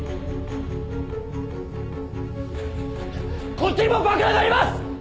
こっちにも爆弾があります！